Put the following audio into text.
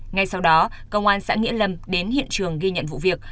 ngay sau đó công an xã nghĩa lâm đến hiện trường ghi nhận vụ việc